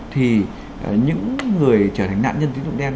thì những người trở thành nạn nhân tín dụng đen